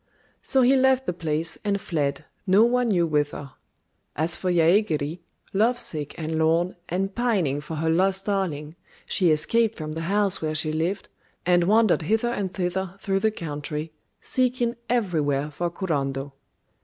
So he left the place and fled, no one knew whither. As for Yaégiri, lovesick and lorn, and pining for her lost darling, she escaped from the house where she lived, and wandered hither and thither through the country, seeking everywhere for Kurando.